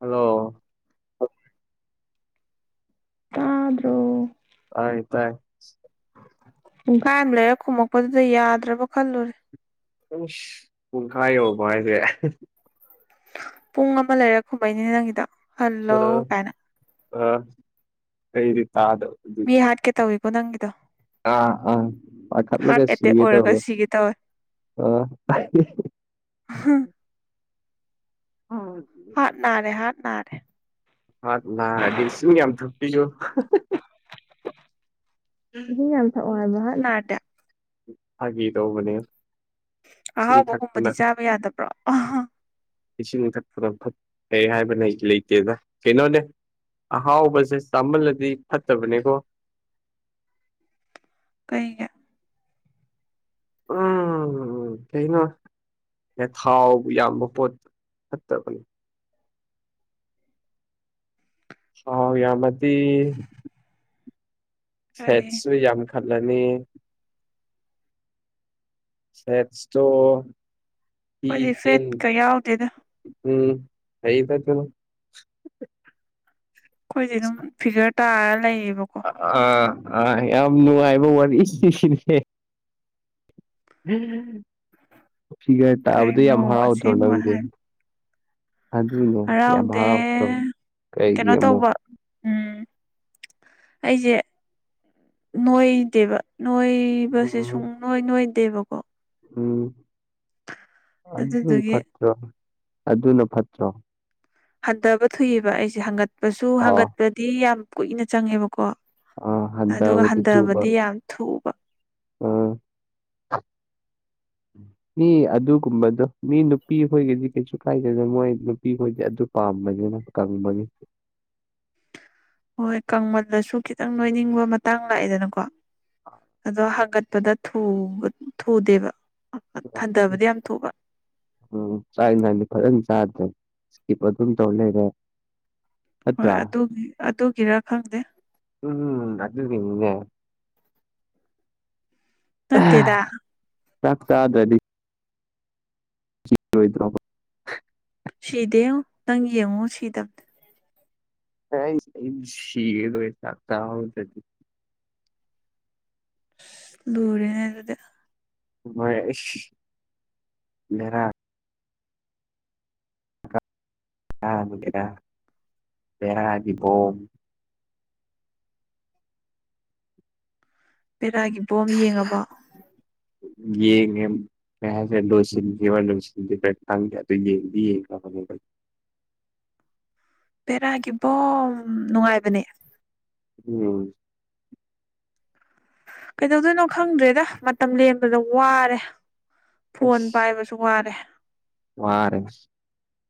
hello ꯇꯥꯗꯔꯣ ꯇꯥꯏ ꯇꯥꯏ ꯄꯨꯡꯈꯥꯏ ꯑꯃ ꯂꯩꯔ ꯈꯨꯝꯃꯛꯄꯗꯨꯗ ꯌꯥꯗ꯭ꯔꯕ ꯈꯜꯂꯨꯔꯦ ꯎ ꯄꯨꯡꯈꯥꯏ ꯌꯧꯕ ꯍꯥꯏꯁꯦ ꯄꯨꯡ ꯑꯃ ꯂꯩꯔꯦ ꯈꯨꯝꯍꯩꯅꯤ ꯅꯪꯒꯤꯗ ꯍꯜꯂꯧ ꯀꯥꯏꯅ ꯑ ꯑꯩꯗꯤ ꯇꯥꯗꯕ ꯃꯤ ꯑꯗꯨꯗꯤ ꯍꯥꯠꯀꯦ ꯇꯧꯋꯤꯀꯣ ꯅꯪꯒꯤꯗꯣ ꯑ ꯑꯥ ꯄꯈꯠ ꯍꯥꯔꯠ ꯂꯩꯒꯦ ꯑꯦꯇꯦꯛ ꯑꯣꯏꯔꯒ ꯁꯤꯒꯗꯧꯔꯦ ꯁꯤꯒꯦ ꯇꯧꯋꯦ ꯑ ꯍ ꯍꯔꯠ꯭ ꯅꯔꯦ ꯍꯔꯠ ꯅꯥꯔꯦ ꯍꯥꯠ ꯅꯥꯔꯗꯤ ꯏꯁꯤꯡ [unintelligible] ꯏꯁꯤꯡ ꯌꯥꯝ ꯊꯥꯛ ꯑꯣ ꯍꯥꯏꯕꯥ ꯍꯥꯔꯠ꯭ ꯅꯔꯗꯤ ꯐꯥꯒꯤ ꯇꯧꯕꯅꯦ ꯏꯁꯤꯡ ꯑꯍꯥꯎꯕꯒꯨꯝꯕꯗꯤ ꯊꯛꯄꯅ ꯆꯥꯕ ꯌꯥꯗꯕ꯭ꯔꯣ ꯏꯁꯤꯡ ꯃ ꯊꯛꯄ ꯐꯠꯩ ꯍꯥꯏꯕ ꯂꯩꯇꯦꯗ ꯀꯩꯅꯣꯅꯦ ꯑꯍꯥꯎꯕꯁꯦ ꯆꯥꯝꯃꯜꯂꯗꯤ ꯐꯠꯇꯕꯅꯦꯀꯣ [inaudible] ꯀꯩꯒꯤ ꯑꯣ ꯎꯝ ꯀꯩꯅꯣ ꯊꯥꯎ ꯌꯥꯝꯕ ꯄꯣꯠ ꯐꯠꯇꯕꯅꯤ ꯍꯥꯎ ꯌꯥꯃꯗꯤ ꯐꯦꯠꯁꯨ ꯑꯩꯈꯣꯏꯗꯤ ꯌꯥꯝ ꯈꯜꯂꯅꯤ ꯐꯠꯇꯣ ꯏ ꯆꯦꯟ ꯐꯦꯠꯀ ꯌꯥꯎꯗꯦꯗ ꯎꯝ [unintelligible] ꯑꯩꯈꯣꯏꯗꯤ ꯑꯗꯨꯝ ꯐꯤꯒꯔ ꯇꯥꯔ ꯂꯩ ꯑꯥ ꯑꯥ ꯌꯥꯝ ꯅꯨꯡꯉꯥꯏꯕ ꯋꯥꯔꯤ ꯁꯤꯅꯦ ꯐꯤꯒꯔ ꯇꯥꯕꯗ ꯀꯩꯅꯣ ꯌꯥꯝ ꯍꯔꯥꯎꯗ꯭ꯔꯣ ꯑꯁꯦꯡꯕ ꯅꯪꯗꯤ ꯍꯥꯏ ꯑꯗꯨꯅ ꯌꯥꯝ ꯍꯔꯥꯎꯗꯦ ꯍꯔꯥꯎꯇ꯭ꯔꯧ ꯀꯩꯒꯤ ꯀꯩꯅꯣ ꯑꯃꯣ ꯇꯧꯕ ꯎꯝ ꯑꯩꯁꯦ ꯅꯣꯏꯗꯦꯕ ꯅꯣꯏꯕꯁꯦ ꯁꯨꯡ ꯅꯣꯏ ꯅꯣꯏꯗꯦꯕꯀꯣ ꯎꯝ ꯑꯗꯨ ꯑꯗꯨꯗꯨꯒꯤ ꯈꯠꯇ꯭ꯔ ꯑꯗꯨꯅ ꯐꯠꯇ꯭ꯔꯣ ꯍꯟꯊꯕ ꯊꯨꯏꯕ ꯑꯩꯁꯦ ꯍꯪꯒꯠꯄꯁꯨ ꯑꯣ ꯍꯪꯒꯠꯄꯗꯤ ꯌꯥꯝ ꯀꯨꯏꯅ ꯆꯪꯉꯦꯕꯀꯣ ꯑꯥ ꯑꯗꯨꯒ ꯍꯟꯊꯕꯗꯤ ꯊꯨꯕ ꯍꯟꯊꯕꯗꯤ ꯌꯥꯝ ꯊꯨꯕ ꯑꯥ [inaudible] ꯃꯤ ꯑꯗꯨꯒꯨꯝꯕꯗꯣ ꯃꯤ ꯅꯨꯄꯤ ꯈꯣꯏꯒꯤꯗꯤ ꯀꯩꯁꯨ ꯀꯥꯏꯗꯦꯗ ꯃꯣꯏ ꯅꯨꯄꯤ ꯈꯣꯏꯗꯤ ꯑꯗꯨ ꯄꯥꯝꯕꯒꯤꯅ ꯇꯥꯅꯤꯡꯕꯒꯤ ꯍꯣꯏ ꯀꯃꯟꯗꯁꯨ ꯈꯤꯇꯪ ꯅꯣꯏꯅꯤꯡꯕ ꯃꯇꯥꯡ ꯂꯥꯛꯑꯦꯗꯅꯀꯣ ꯑꯗꯣ ꯍꯥꯡꯒꯠꯄꯗ ꯊꯨꯗꯦꯕ ꯍꯟꯊꯕꯗꯤ ꯌꯥꯝ ꯊꯨꯕ ꯆꯥꯏ ꯊ ꯐꯔꯦ ꯆꯥꯗ ꯏꯁꯀꯤꯞ ꯑꯗꯨꯝ ꯇꯧ ꯂꯩꯔꯦ ꯍꯣꯏ ꯅꯠꯇ꯭ꯔꯥ ꯑꯗꯨꯒꯤ ꯑꯗꯨꯒꯤꯔꯥ ꯈꯪꯗꯦ ꯎꯝ ꯑꯗꯨ ꯏ ꯃꯠꯇꯦꯗ ꯆꯥꯛ ꯆꯥꯗꯗꯤ ꯣꯏꯗ꯭ꯔ ꯁꯤꯗꯦ ꯅꯪ ꯌꯦꯡꯉꯨ ꯁꯤ ꯇꯝ ꯍ ꯁꯤꯒꯦꯗꯣꯏ ꯆꯥꯛ ꯇ ꯆ ꯂꯔꯤꯅꯦ ꯑꯗꯨꯗꯤ ꯃ ꯂꯩꯦꯔꯥ ꯗꯔ ꯄꯔꯕꯤꯕꯣꯝ ꯄꯦꯔꯥꯒꯤ ꯕꯣꯝ ꯌꯦꯡꯉꯕ ꯌꯦ ꯁ ꯂꯣꯁꯤꯣꯁꯤꯗꯤ ꯊ ꯀꯌꯥ ꯌꯦ [unintelligible] ꯕꯦꯔꯥꯒꯤ ꯕꯣ ꯅꯨꯡꯉꯥꯏꯕꯅꯦ ꯎꯝ ꯀꯩꯗꯧꯗꯣꯏꯅꯣ ꯈꯪꯗ꯭ꯔꯦꯗ ꯃꯇꯝ ꯂꯦꯟꯕꯗ ꯋꯥꯔꯦ ꯑꯁ ꯐꯣꯟ ꯄꯥꯏꯕꯁꯨ ꯋꯥꯔꯦ ꯋꯥꯔꯦ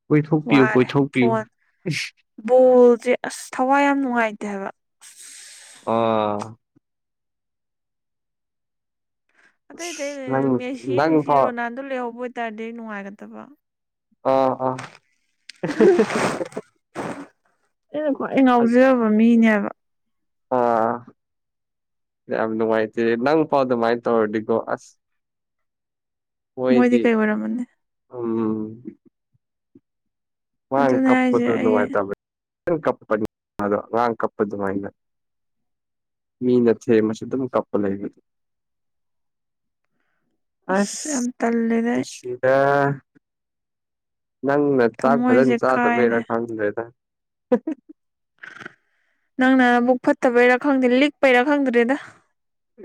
ꯀꯣꯏꯊꯣꯛꯄꯤꯌꯨ ꯋꯥꯔꯦ ꯀꯣꯏꯊꯣꯛꯄꯤꯌꯨ ꯐꯣꯟ ꯕꯣꯜꯁꯦ ꯑꯁ ꯊꯋꯥꯏ ꯌꯥꯝ ꯅꯨꯡꯉꯥꯏꯅꯦ ꯑꯗꯨꯒꯕ ꯑꯣ ꯑꯇꯩ ꯑꯇꯩ ꯑꯁ ꯅꯪ ꯃꯦꯁꯤ ꯅꯪ ꯅꯨꯡꯁꯤ ꯐꯥꯎ ꯔꯣꯅꯥꯜꯗꯣ ꯂꯩꯍꯧꯕ ꯑꯣꯏꯇꯥꯔꯗꯤ ꯅꯨꯡꯉꯥꯏꯒꯗꯕ ꯑꯥ ꯑꯥ ꯑꯩꯅ ꯈ꯭ꯋꯥꯏ ꯉꯥꯎꯖꯕ ꯃꯤꯅꯦꯕ ꯑꯥ [unintelligible] ꯌꯥꯝ ꯅꯨꯡꯉꯥꯏꯇꯦꯦ ꯅꯪ ꯄꯥꯎ ꯑꯗꯨꯃꯥꯏꯅ ꯇꯧꯔꯗꯤꯀꯣ ꯑꯁ ꯃꯣꯏꯗꯤ ꯍꯣꯏꯗꯤ ꯀꯩ ꯑꯣꯏꯔꯝꯃꯅꯤ ꯎꯝ ꯋꯥ ꯑꯗꯨꯅꯦ ꯀꯞꯀ ꯍꯥꯏꯁꯦ ꯇ ꯑꯩ ꯅꯨꯡꯉꯥꯏ ꯇꯃꯦ ꯀꯞ ꯔꯥꯡ ꯀꯞ ꯑꯗꯨ ꯑꯗꯨꯃ ꯏ ꯃꯤꯅꯊꯦꯃ ꯑꯗꯨꯝ ꯀꯞꯄ ꯂꯩꯕꯤꯔꯤ [unintelligible] ꯑꯁ ꯌꯥꯝ ꯇꯜꯂꯦꯗ ꯑꯩ ꯑꯁꯅꯨꯡꯁꯤꯗ ꯅ ꯆꯥꯥꯛ ꯐꯖ ꯊꯃꯣꯏꯁꯦ ꯀꯥꯏꯔꯦ ꯆꯥꯅ ꯊ [unintelligible] ꯅꯪꯅ ꯕꯨꯛ ꯐꯠꯇꯕꯩꯔꯥ ꯈꯪꯗꯦ ꯂꯤꯛꯄꯩꯔꯥ ꯈꯪꯗ꯭ꯔꯦꯗ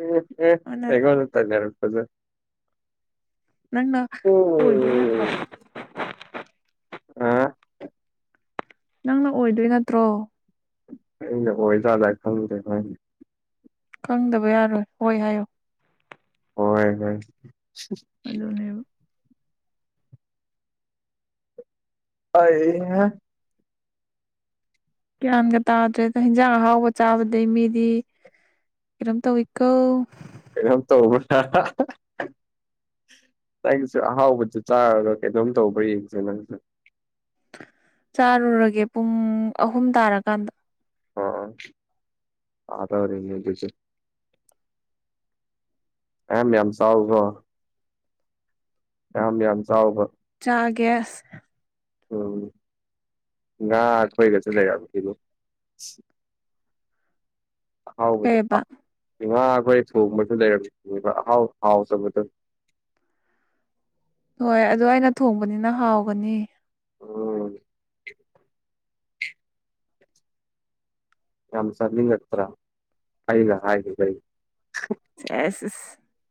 ꯎꯝ ꯎ ꯑꯗꯨꯅ ꯍꯦꯒꯣꯟꯅ ꯇꯅꯤꯔꯄꯖ ꯅꯪ ꯍꯣꯏꯗꯦꯅꯄ ꯑ ꯅꯪꯅ ꯑꯣꯏꯗꯣꯏ ꯅꯠꯇ꯭ꯔꯣ ꯑ ꯑꯣꯏꯖꯥꯗꯥ ꯈꯪꯂꯗꯦꯅꯦ ꯈꯪꯗꯕ ꯌꯥꯔꯣꯏ ꯍꯣꯏ ꯍꯥꯏꯌꯣ ꯍꯣꯏ ꯍꯣꯏ ꯑꯗꯨꯅꯦꯕ ꯑꯩ ꯒ꯭ꯌꯥꯟꯒ ꯇꯥꯗ꯭ꯔꯦꯗ ꯍꯤꯟꯖꯥꯡ ꯑꯍꯥꯎꯕ ꯆꯥꯕꯗꯩ ꯃꯤꯗꯤ ꯀꯩꯅꫭꯝ ꯇꯧꯏ ꯀꯣ ꯀꯩꯅꫭꯝ ꯇꯧꯕ ꯑꯩꯒꯤꯁꯨ ꯑꯍꯥꯎꯕꯁꯨ ꯆꯥꯔꯒ ꯀꯩꯗꯣꯝ ꯇꯧꯕ꯭ꯔꯥ ꯌꯦꯡꯁꯦ ꯅꯪꯁꯨ ꯆꯥꯔꯨꯔꯒꯦ ꯄꯨꯡ ꯑꯍꯨꯝ ꯇꯥꯔꯀꯥꯟꯗ ꯑꫭ ꯑꫭ ꯇꯥꯗꯧꯔꯦꯅꯦ ꯑꯗꯨꯗꯤ ꯃꯌꯥꯝ ꯌꯥꯝ ꯆꯥꯎ ꯀꫭ ꯌꯥꯝ ꯌꯥꯝ ꯆꯥꯎꯕ ꯆꯥꯥꯒꯦ ꯎꯝ ꯉꯥ ꯑꯗꫭꯏꯒꯁꯨ ꯂꯩꯔꯕꯁꯤꯕꯨ ꯑꯍꯥꯎꯕꯗꯨ ꯀꯩꯕ ꯑꯥ ꯉꯥ ꯈꯣꯏ ꯊꯣꯡꯕꯁꯨ ꯂꯩꯔꯝ ꯑꯍꯥꯎ ꯍꯥꯎ ꯇꯕꯗꯨ ꯍꯣꯏ ꯑꯗꯨ ꯑꯩꯅ ꯊꯣꯡꯕꯅꯤꯅ ꯍꯥꯎꯒꯅꯤ ꯎꯝ ꯌꯥꯝ ꯆꯥꯅꯤꯡꯉꯛꯇ꯭ꯔ ꯑꯩꯅ ꯍꯥꯏꯒꯤ ꯕꯩ ꯑꯦꯁ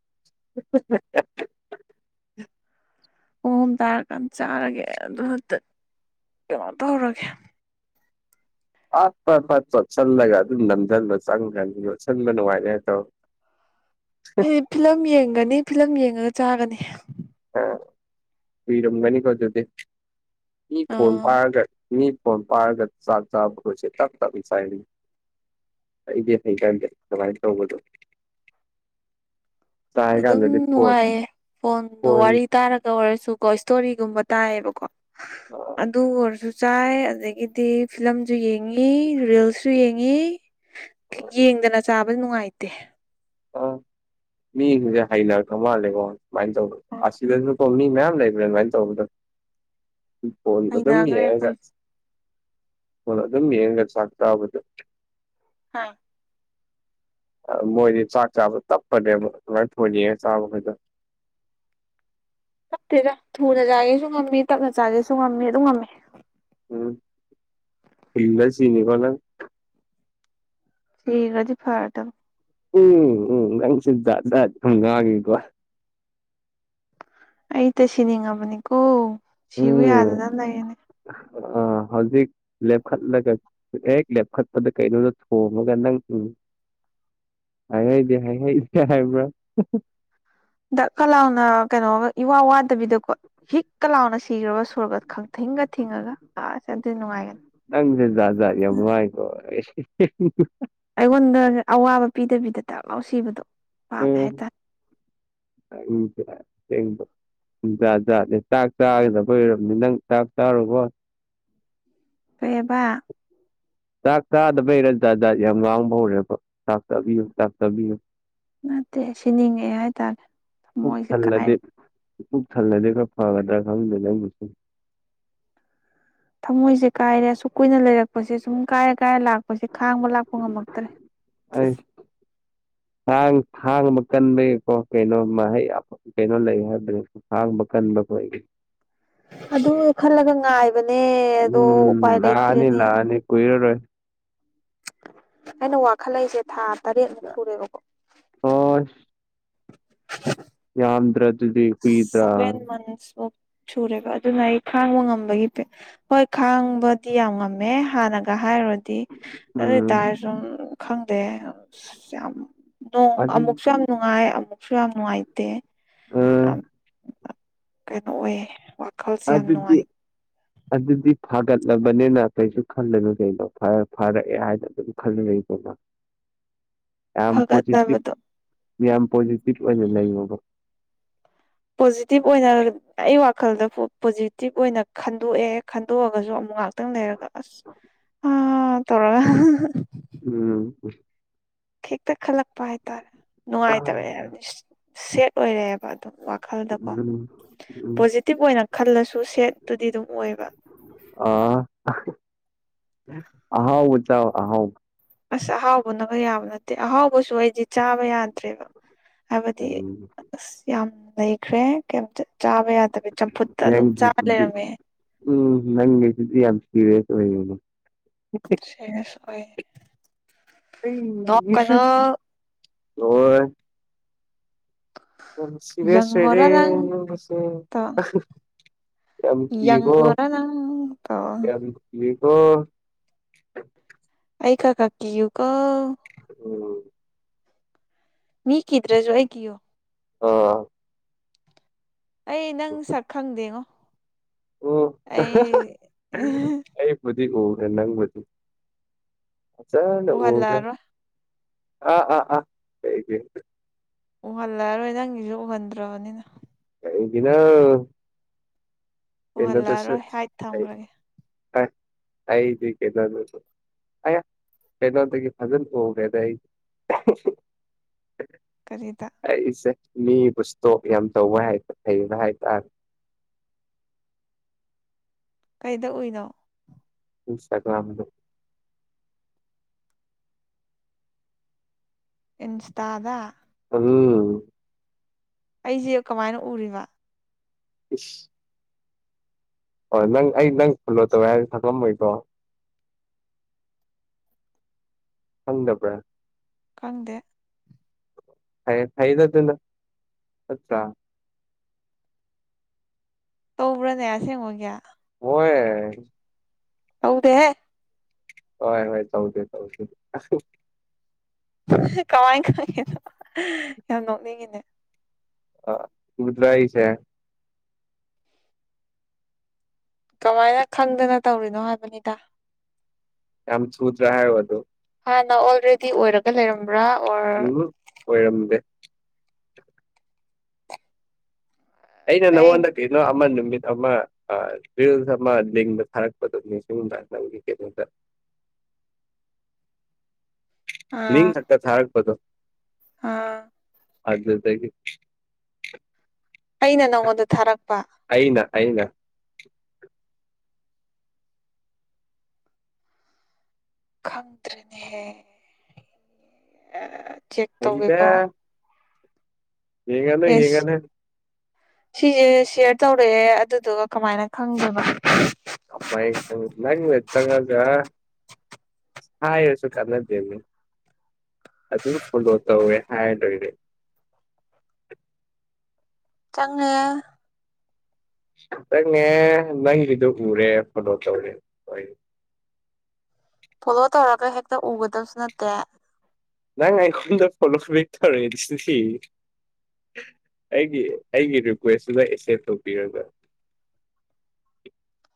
[inaudible] ꯄꯨꯡ ꯑꯍꯨꯝ ꯇꯥꯔꯀꯥꯟ ꯆꯥꯔꯒꯦ ꯑꯗꯨꯒꯇ ꯀꯩꯅꯣ ꯇꯧꯔꯒꯦ ꯑꯠ ꯐꯠ ꯐꯠ ꯇꫭꯠꯁꯤꯜꯂꯒ ꯑꯗꯨꯝ ꯅꯝꯁꯤꯟꯕ ꯆꯪꯒ꯭ꯔꯅꯤ ꯂꯣꯠꯁꯤꯟꯕ ꯅꯨꯡꯉꯥꯏꯔ ꯍꯥꯏ ꯇꯧ ꯑꯩꯗꯤ ꯐꯤꯂꯝ ꯌꯦꯡꯒꯅꯤ ꯐꯤꯂꯝ ꯌꯦꯡꯉꯒ ꯆꯥꯒꯅꯤ ꯑꯥ ꯀꯨꯏꯔꯝꯒꯅꯤꯀꯣ ꯑꯗꯨꯗꯤ ꯃꯤ ꯐꫭꯟ ꯑꯥ ꯄꯥꯏꯔꯒ ꯃꯤ ꯐꫭꯟ ꯄꯥꯔꯒ ꯆꯥꯛ ꯆꯥꯕꯗꫭ ꯆꯦ ꯇꯞ ꯇꯞ ꯆꯥꯏꯅꯤ ꯑꯩꯗꯤ ꯍꯩꯒꯟꯗꯦ ꯑꯗꯨꯃꯥꯏꯅ ꯇꯧꯕꯗꯣ ꯆꯥꯏ ꯑꯗꯨꯝ ꯀꯥꯟꯗꯗꯤ ꯐꯣꯟ ꯅꯨꯡꯉꯥꯏꯌꯦ ꯐꯣꯟꯗꯣ ꯐꯣꯟ ꯋꯥꯔꯤ ꯇꯥꯔꯒ ꯑꯣꯏꯔꯁꯨ ꯀꯣ ꯏꯁꯇꯣꯔꯤꯒꯨꯝꯕ ꯇꯥꯏꯌꯦꯕꯀꯣ ꯑꯥ ꯑꯗꯨ ꯑꯣꯏꯔꯁꯨ ꯆꯥꯏ ꯑꯗꯒꯤꯗꯤ ꯐꯤꯂꯝꯁꯨ ꯌꯦꯡꯉꯤ ꯔꯤꯜꯁꯁꯨ ꯌꯦꯡ ꯪꯉꯤ ꯌꯦꯡꯗꯅ ꯆꯥꯕ ꯅꯨꯡꯉꯥꯏꯇꯦ ꯑ ꯃꯤꯁꯤꯡꯁꯦ ꯍꯩꯅꯈ꯭ꯔ ꯃꯥꯜꯂꯦꯀꯣ ꯁꯨꯃꯥꯏꯅ ꯇꯧꯕ ꯑꯁꯤꯗꯁꯨ ꯀꯣ ꯃꯤ ꯃꯌꯥꯝ ꯂꯩꯕ꯭ꯔꯥ ꯑꯗꯨꯃꯥꯏꯅ ꯇꯧꯕꯗꫭ ꯎꯝ ꯐꫭꯟ ꯑꯗꯨꯝ ꯍꯩꯅꯈ꯭ꯔꯦ ꯌꯦꯡꯉꯒ ꯑꯩꯈꯣꯏꯁꯦ ꯐꫭꯟ ꯑꯗꯨꯝ ꯌꯦꯡꯉꯒ ꯆꯥꯛ ꯆꯥꯕꯗꯨ ꯍꯥꯥ ꯃꯣꯏꯗꯤ ꯆꯥꯛ ꯆꯥꯕ ꯇꯞꯄꯅꯦꯕ ꯑꯗꯨꯃꯥꯏꯅ ꯐꫭꯟ ꯌꯦꯡꯉ ꯆꯥꯕ ꯈꯩꯗꫭ [inaudible] ꯇꯦꯗ ꯊꯨꯅ ꯆꯥꯒꯦꯁꯨ ꯉꯝꯃꯤ ꯇꯞꯅ ꯆꯥꯒꯦꯁꯨ ꯉꯝꯃꯤ ꯑꯗꯨꯝ ꯉꯝꯃꯤ ꯎꯝ ꯐꯨꯜꯂ ꯁꯤꯅꯤꯀꫭ ꯅꯪ ꯁꯤꯘ꯭ꯔꯗꯤ ꯐꯔ ꯗꯝ ꯎꯝ ꯎꯝ ꯅꯪꯁꯤ ꯖꯥꯠ ꯖꯥꯠ ꯁꯨꯝ ꯉꯥꯡꯉꯤꯗ ꯑꯩ ꯇ ꯁꯤꯅꯤꯡꯉꯕꯅꯤꯀꯣ ꯁꯤꯎ ꯎꯝ ꯌꯥꯗꯗꯅ ꯂꯩꯔꯤꯅꯤ ꯑ ꯍꯧꯖꯤꯛ ꯂꯦꯞꯈꯠꯂꯒ ꯍꯦꯛ ꯂꯦꯞꯈꯠꯄꯗ ꯀꯩꯅꯣꯗ ꯊꯣꯃꯒ ꯅꯪ ꯎꯝ [inaudible] ꯍꯥꯏ ꯍꯩꯗꯦ ꯍꯥꯏ ꯍꯩꯗꯦ ꯍꯥꯏꯕ꯭ꯔꯥ ꯗꯛ ꯀ ꯂꯥꯎꯅ ꯀꯩꯅꯣꯒ ꯏꯋꯥ ꯋꯥꯗꯕꯤꯗꯀꯣ ꯍꯤꯛ ꯀ ꯂꯥꯎꯅ ꯁꯤꯈ꯭ꯔꯕ ꯁꯣꯔꯒ ꯈꯪꯊꯤꯡꯒ ꯊꯤꯡꯉꯒ ꯑꯁ ꯑꯗꯨꯗꯤ ꯅꯨꯡꯉꯥꯏꯅꯤ ꯅꯪꯁꯦ ꯖꯥꯠ ꯖꯥꯠ ꯌꯥꯝ ꯉꯥꯡꯉꯤꯀꯣ [inaudible] ꯑꯩꯉꯣꯟꯗ ꯑꯋꯥꯕ ꯄꯤꯗꯕꯤꯗ ꯗꯥꯛ ꯂꯥꯎ ꯁꯤꯕꯗꯣ ꯄꯥꯝꯃꯦ ꯎꯝ ꯍꯥꯏꯇꯥꯔꯦ ꯖꯥꯠ ꯖꯥꯠꯅꯦ ꯆꯥꯛ ꯆꯥꯒꯗꯕ ꯑꯣꯏꯔꯕꯅꯤ ꯅꯪ ꯆꯥꯛ ꯆꯥꯔꫭꯀꫭ ꯀꯩꯑꯕꯥ ꯆꯥꯛ ꯆꯥꯗꯕꯩꯔ ꯖꯥꯠꯖꯥꯠ ꯌꯥꯝ ꯉꯥꯡꯕ ꯍꯧꯔꯦꯕ ꯆꯥꯛ ꯆꯤꯕꯤꯌꯨ ꯆꯥꯛ ꯆꯥꯕꯤꯌꯨ ꯅꯠꯇꯦ ꯁꯤꯅꯤꯡꯉꯛꯑꯦ ꯍꯥꯏꯇꯥꯔꯦ ꯄꯨꯛ ꯊꯃꯣꯏꯁꯦ ꯊꯜꯂꯗꯤ ꯀꯥꯏꯔꯦ ꯊꯜꯂꯗꯤ ꯈ ꯐꯒꯠꯗ꯭ꯔ ꯈꯪꯗꯅꯁ ꯊꯃꯣꯏꯁꯦ ꯀꯥꯏꯔꯦ ꯑꯁꯨꯛ ꯀꯨꯏꯅ ꯂꯩꯔꯛꯄꯁꯦ ꯁꯨꯝ ꯀꯥꯏꯔ ꯏꯀꯥꯏ ꯂꯥꯛꯄꯁꯦ ꯈꯥꯡꯕ ꯂꯥꯛꯄ ꯉꯝꯃꯛꯇ꯭ꯔꯦ ꯑꯁ ꯑꯩꯁ ꯊꯥꯡ ꯊꯥꯡꯕ ꯀꯟꯕꯩꯀꯣ ꯀꯩꯅꯣꯩ ꯀꯩꯅꯣ ꯂꯩ ꯍꯥꯏꯕ ꯊꯥꯡꯕ ꯀꯟ ꯀꯝꯕ ꯑꯗꯨ ꯈꯜꯂꯒ ꯉꯥꯏꯕꯅꯦ ꯑꯗꯣ ꯎꯄꯥꯏ ꯎꯝ ꯂꯥꯛꯑꯅꯤ ꯂꯩꯇ꯭ꯔꯦꯅꯦ ꯂꯥꯛꯑꯅꯤ ꯀꯨꯏꯔꯔꯣꯏ ꯑꯩꯅ ꯋꯥꯈꯠꯂꯛꯏꯁꯦ ꯊꯥ ꯇꯔꯦꯠꯃꯨꯛ ꯁꯨꯔꯦꯕꯀꯣ ꯑꯣꯁ [unintelligible] ꯌꯥꯝꯗ꯭ꯔ ꯑꯗꯨꯗꯤ ꯀꯨꯏꯗ꯭ꯔꯥ ꯁꯚꯦꯟ ꯃꯟꯁꯃꯨꯛ ꯁꯨꯔꯦꯕ ꯑꯗꯨꯅ ꯑꯩ ꯈꯥꯡꯕ ꯉꯝꯕꯒꯤ ꯍꯣꯏ ꯈꯥꯡꯕꯗꯤ ꯌꯥꯝ ꯉꯝꯃꯦ ꯍꯥꯟꯅꯒ ꯍꯥꯏꯔꯨꯔꯗꯤ ꯑꯗꯨ ꯎꯝ ꯑꯣꯏꯇꯥꯔꯁꯨꯨꯝ ꯈꯪꯗꯦ ꯑ ꯌꯥꯝ ꯣꯡ ꯑꯗꯨ ꯑꯃꯨꯛꯁꯨ ꯌꯥꯝ ꯅꯨꯡꯉꯥꯏ ꯑꯃꯨꯛꯁꯨ ꯌꯥꯝ ꯅꯨꯡꯉꯥꯏꯇꯦ ꯑꯝ ꯀꯩꯅꯩꯅꯣ ꯑꯦ ꯑ ꯑꯗꯨꯗꯤ ꯑ ꯑꯗꯨꯗꯤ ꯐꯥꯒꯠꯂꯕꯅꯤꯅ ꯀꯩꯁꯨ ꯈꯜꯂꯔꯨ ꯀꯩꯅꯣ ꯐꯥꯔꯛꯑꯦ ꯍꯥꯏꯅ ꯑꯗꯨꯝ ꯈꯜꯂꯨꯨꯔꯏ ꯀꯣꯏꯅꯣ [unintelligible] ꯌꯥꯝ ꯄꯣꯖꯤꯇꯤꯚ ꯐꯒꯠꯂꯕꯗꯣ ꯌꯥꯝ ꯌꯥꯝ ꯄꯣꯖꯤꯇꯤꯚ ꯑꯣꯏꯅ ꯂꯩꯉꯕ ꯄꯣꯖꯤꯇꯤꯚ ꯑꯣꯏꯅ ꯑꯩ ꯋꯥꯈꯜꯗ ꯄꯣꯖꯤꯇꯤꯚ ꯑꯣꯏꯅ ꯈꯟꯗꯣꯛꯑꯦ ꯈꯟꯗꯣꯛꯑꯒꯁꯨ ꯑꯃ ꯉꯥꯛꯇꯪ ꯂꯩꯔꯒ ꯑꯁ ꯇꯧꯔꯒ ꯎꯝ ꯍꯦꯛꯇ ꯈꯜꯂꯛꯄ ꯍꯥꯏꯇꯥꯔꯦ ꯅꯨꯡꯉꯥꯏꯇꯕꯦ ꯍꯥꯏꯕꯅꯤ ꯁꯦꯠ ꯑꯣꯏꯔꯛꯑꯦꯕ ꯑꯗꯨꯝ ꯈꯜꯗꯀꯣ ꯎꯝ ꯎꯝ ꯄꯣꯖꯤꯇꯤꯚ ꯑꯣꯏꯅ ꯈꯜꯂꯁꯨ ꯁꯦꯠꯇꯨꯗꯤ ꯑꯗꯨꯝ ꯑꯣꯏꯕ ꯍꯥꯎ ꯆꯥꯎ ꯍꯥꯎ ꯑꯁ ꯑꯍꯥꯎꯕꯅꯈ ꯌꯥꯕ ꯅꯠꯇꯦ ꯑꯍꯥꯎꯕꯁꯨ ꯑꯩꯗꯤ ꯆꯥꯕ ꯌꯥꯗ꯭ꯔꯦꯕ ꯍꯥꯏꯕꯗꯤ ꯎꯝ ꯑꯁ ꯌꯥꯝ ꯂꯩꯈ꯭ꯔꯦ ꯀ ꯆꯥꯕ ꯌꯥꯗꯕ ꯆꯝꯐꯨꯠꯇ ꯑꯗꯨꯝ ꯆꯥꯕ ꯅꯪꯒꯤꯗꯨꯗꯤ ꯂꯩꯔꯝꯃꯦ ꯎꯝ ꯅꯪꯦꯁꯤ ꯌꯥꯝ ꯁꯤꯔꯦꯁ ꯁꯤꯁꯣꯏ ꯅ ꯀꯩꯅ ꯍ ꯁꯤꯋꯦ ꯁꯋꯦꯔꯦ ꯌꯪꯉꯣꯔ ꯅꯪ ꯇꯣ ꯌꯥꯝ ꯀꯕꯣ ꯌꯦꯡꯉꯣꯔ ꯅꯪ ꯇꯧ ꯌꯥꯝ ꯑꯣ ꯑꯀ ꯀꯥꯀꯤꯌꯨ ꯀꯣ ꯎ ꯃꯤ ꯀꯤꯗ꯭ꯔꯦꯁꯨꯏ ꯀꯣ ꯑ ꯑꯩ ꯅꯪ ꯁꯛ ꯈꯪꯗꯦꯉꯣ ꯑꯣ ꯑꯩ ꯑꯩꯕꯨꯗꯤꯤ ꯍ ꯅꯪꯕꯗꯤ ꯆ ꯎꯒꯦ ꯎꯍꯜꯂꯛꯑꯔꯣꯏ ꯑꯥ ꯑꯥ ꯑꯥ ꯀ ꯎꯍꯜꯂꯑꯔꯣꯏ ꯅꯪꯒꯤꯁꯨ ꯎꯍꯟꯗ꯭ꯔꯕꯅꯤꯅ ꯏꯅ ꯀꯩꯅ ꯇꯁ ꯎꯍꯜꯂꯛꯑꯔꯣꯏ ꯍꯥꯏꯠ ꯊꯝꯈ꯭ꯔꯒꯦ ꯑꯩꯗꯤ ꯀꯅꯗꯨꯁꯨ ꯑ ꯄꯩꯅꯗꯒꯤ ꯐꯖꯟ ꯐꯒꯦꯗ ꯀꯔꯤꯗ ꯃꯤ ꯄꯨꯁꯇꯣ ꯌꯥꯝ ꯇꯧꯕ ꯍꯥꯏ ꯍꯩꯕ ꯍꯥꯏꯇꯥꯔꯦ ꯀꯩꯗ ꯎꯏꯅꯣ ꯄꯁꯒꯝꯗ ꯏꯟꯁꯇꯗ ꯎꯝ ꯑꯩꯁꯦ ꯀꯃꯥꯏꯅ ꯎꯔꯤꯕ ꯏꯁꯁ ꯍꯣꯏ ꯅꯪ ꯑꯩ ꯅꯪ ꯐꯣꯂꯣ ꯇꯧꯋꯦ ꯍꯥꯏꯅ ꯊꯪꯂꯝꯝꯃꯣꯏꯀꯣ ꯍꯪꯗꯕ꯭ꯔ ꯈꯪꯗꯦ ꯊꯗ ꯇꯅ ꯑ ꯇꯧꯕ꯭ꯔꯅꯦ ꯑꯁꯦꯡꯉꯒꯦ ꯍꯣꯏ ꯍꯧꯗꯦ ꯍꯣꯏ ꯍꯣꯏ ꯆꯧꯗ ꯆꯧ ꯆ ꯀꯃꯥꯏ ꯀꯃꯥꯏꯅꯣ ꯌꯥꯝ ꯅꯣꯛꯅꯤꯡꯉꯤꯅꯦ ꯑ ꯔꯗ꯭ꯔꯥ ꯏꯁ ꯀꯃꯥꯏꯅ ꯈꯪꯗꯅ ꯇꯧꯔꯤꯅꯣ ꯍꯥꯏꯕꯅꯤꯗ ꯌꯥꯝꯝ ꯁꯨꯠ ꯔ ꯑꯗꯨ ꯍꯥꯟꯅ ꯑꯣꯜꯔꯦꯗꯤ ꯑꯣꯏꯔꯒ ꯂꯩꯔꯝ ꯎꯝ ꯑꯣꯏꯔꯝꯗꯦ ꯑꯩꯅ ꯑꯩ ꯅꯪꯉꯣꯟꯗ ꯀꯩꯅꯣ ꯑꯃ ꯅꯨꯃꯤꯠ ꯑꯃ ꯑꯃ ꯂꯗ ꯊꯥꯔꯛꯄꯗꯅꯤ ꯁꯤꯅꯕꯒꯤ ꯀꯣꯇ [unintelligible] ꯂ ꯊꯛꯇ ꯊꯔꯛꯄꯗꯣ ꯍꯥ ꯑꯗꯨꯗꯒꯤ ꯑꯩꯅ ꯅꯪꯉꯣꯟꯗ ꯊꯥꯔꯛꯄ ꯑꯩꯅ ꯑꯩꯅ ꯈꯪꯗ꯭ꯔꯦꯅꯦꯍꯦ ꯆꯦꯛ ꯍꯩꯗ ꯇꯧꯒꯦꯀꯣ ꯌꯦꯦꯒꯅꯣ ꯑꯦꯁ ꯌꯦꯦꯒꯅ ꯁꯤꯁꯦ ꯁꯤꯌꯔ ꯇꯧꯔꯛꯑꯦ ꯑꯗꯨꯗꯨꯒ ꯀꯃꯥꯏꯅ ꯈꯪꯗꯕ ꯑꯡ ꯆꯉꯒ ꯍꯥꯥ ꯑꯦ ꯁꯨꯀꯥ ꯅ ꯑꯅꯤ ꯑꯗꯨ ꯐꯣꯂꯣ ꯇꯧꯋꯦ ꯍꯥꯏ ꯂꯣꯏꯔꯦ [unintelligible] ꯆꯥꯡꯅꯤ ꯈꯤꯇꯪꯅꯦ ꯅꯪꯒꯤꯗꯨꯣ ꯎꯔꯦ ꯐꯣꯂꯣ ꯇꯧꯔꯦ ꯐꯣꯂꯣ ꯇꯧꯔꯒ ꯍꯦꯛꯇ ꯎꯒꯗꯕꯁꯨ ꯅꯠꯇꯦ ꯅꯉ ꯑꯩꯈꯣꯟꯗ ꯐꯂꯕꯦꯛꯇꯔꯁ ꯑꯩꯒꯤ ꯑꯩꯒꯤ ꯔꯤꯀ꯭ꯋꯦꯁꯇꯨꯗ ꯑꯦꯛꯁꯦꯞ ꯇꯧꯕꯤꯔꯒ [unintelligible]